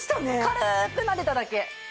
軽くなでただけ。